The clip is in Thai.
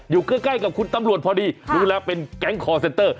อยู่ใกล้กับคุณตำรวจพอดีรู้แล้วเป็นแก๊งคอร์เซนเตอร์